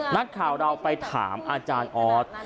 นักข่าวเราไปถามอาจารย์ออส